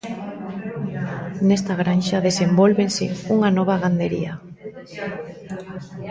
Nesta granxa desenvólvese unha nova gandería.